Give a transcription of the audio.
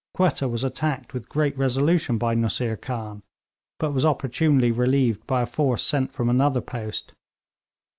Quetta was attacked with great resolution by Nusseer Khan, but was opportunely relieved by a force sent from another post.